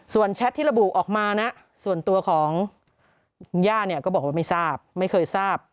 ส่วนแชทที่ระบุออกมานะส่วนตัวของคุณย่าเนี่ยก็บอกว่าไม่ทราบไม่เคยทราบ